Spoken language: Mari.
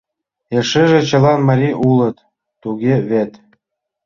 — Эшеже чылан марий улыт, туге вет?